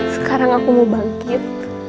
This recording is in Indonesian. sekarang aku mau bangkit